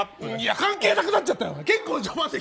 関係なくなっちゃったよ。